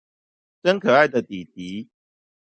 真可愛的底迪